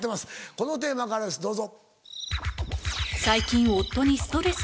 このテーマからですどうぞ。